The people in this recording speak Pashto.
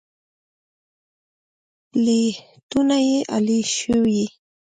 پلېټونه يې الېشوي.